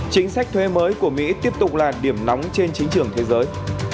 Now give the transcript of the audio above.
chính sách thuê mới của mỹ tiếp tục là điểm nóng trên chính trường thế giới